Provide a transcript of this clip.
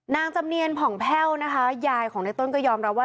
จำเนียนผ่องแพ่วนะคะยายของในต้นก็ยอมรับว่า